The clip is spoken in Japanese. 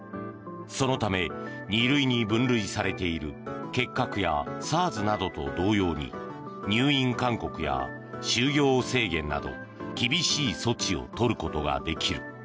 そのため２類に分類されている結核やＳＡＲＳなどと同様に入院勧告や就業制限など厳しい措置を取ることができる。